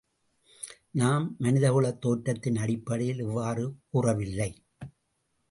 நாம் மனிதகுலத் தோற்றத்தின் அடிப்டையில் இவ்வாறு கூறவில்லை.